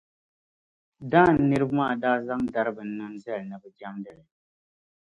Dan niriba maa daa zaŋ dari binnani zali ni bɛ jɛmdi li.